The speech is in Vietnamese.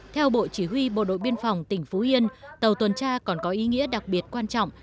theo bộ chỉ huy bộ đội biên phòng tỉnh phú yên tàu tuần tra còn có ý nghĩa đặc biệt quan trọng